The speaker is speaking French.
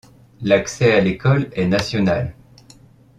L'accès à l'école est national.